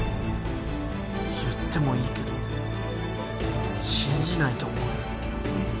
言ってもいいけど信じないと思うよ。